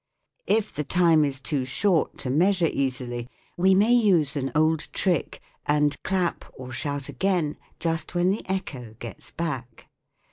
If the time is too short to measure easily, we may use an old trick and clap or shout again just when the echo gets back.